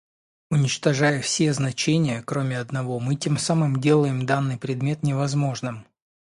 Уничтожая все значения, кроме одного, мы тем самым делаем данный предмет невозможным.